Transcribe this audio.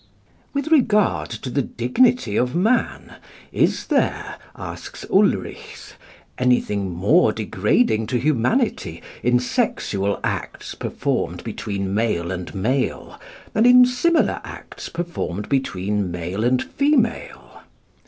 With regard to the dignity of man, is there, asks Ulrichs, anything more degrading to humanity in sexual acts performed between male and male than in similar acts performed between male and female.